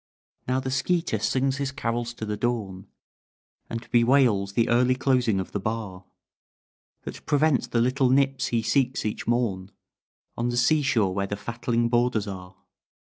"Now the skeeter sings his carols to the dawn, And bewails the early closing of the bar That prevents the little nips he seeks each morn On the sea shore where the fatling boarders are.